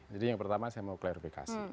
jadi yang pertama saya mau klarifikasi